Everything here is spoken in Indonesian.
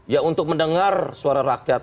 ya untuk mendengar suara rakyat